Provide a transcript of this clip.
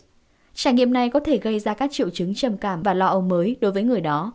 trải nghiệm này có thể gây ra các triệu chứng trầm cảm và lo âu mới đối với người đó